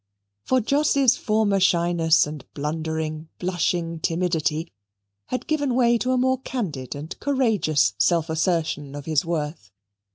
For Jos's former shyness and blundering blushing timidity had given way to a more candid and courageous self assertion of his worth.